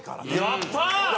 やったー！